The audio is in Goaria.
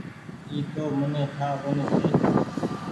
اي تو مني ٺآ ڪونيٚ ڇي ۔